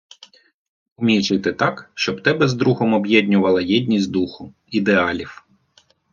Умій жити так, щоб тебе з другом об'єднувала єдність духу, ідеалів...